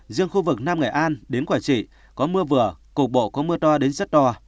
riêng khu vực nam ngại an đến quả trị có mưa vừa cuộc bộ có mưa to đến rất to